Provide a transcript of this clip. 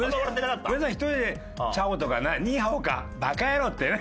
上田さん１人で「『ちゃお』とかな“ニーハオ”か！」「バカ野郎！ってね。